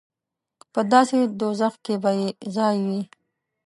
په داسې دوزخ کې به یې ځای وي.